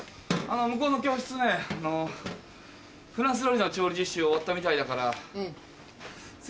向こうの教室ねフランス料理の調理実習終わったみたいだから次。